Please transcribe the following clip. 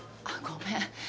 あっごめん。